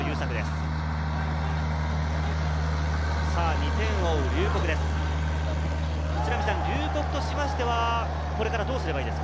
２点を追う龍谷です。